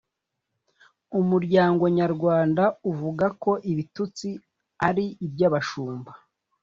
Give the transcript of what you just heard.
umuryango nyarwanda uvuga ko ibitutsi ari iby’abashumba.